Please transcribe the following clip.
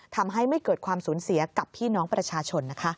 ทำให้ไม่เกิดความสูญเสียกับพี่น้องประชาชนนะคะ